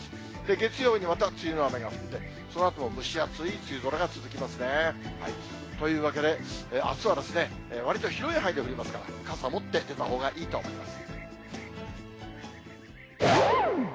月曜にまた梅雨の雨が降って、そのあとも蒸し暑い梅雨空が続きますね。というわけで、あすはわりと広い範囲で降りますからね、傘持って出たほうがいいと思います。